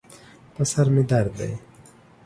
په سر مې درد دی